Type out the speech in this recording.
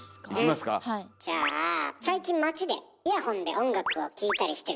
じゃあ最近街でイヤホンで音楽を聴いたりしてる人多いわよね。